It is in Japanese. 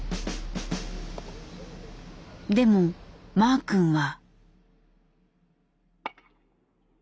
でもマー君は。